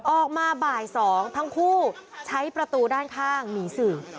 ออกมาบ่าย๒ทั้งคู่ใช้ประตูด้านข้างหนีสื่อ